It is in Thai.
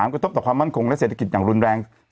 กระทบต่อความมั่นคงและเศรษฐกิจอย่างรุนแรง